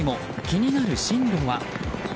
気になる進路は？